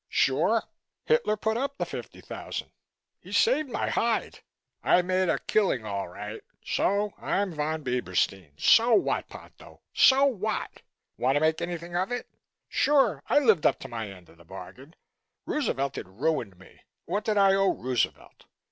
Sure Hitler put up the fifty thousand. He saved my hide. I made a killing all right. So I'm Von Bieberstein? So what, Ponto, so what! Want to make anything of it? Sure I lived up to my end of the bargain. Roosevelt had ruined me. What did I owe Roosevelt?